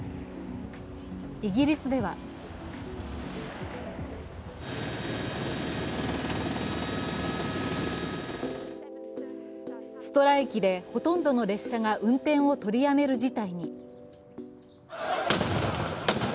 イギリスではストライキでほとんどの列車が運転を取りやめる事態に。